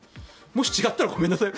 もし違ったらごめんなさい。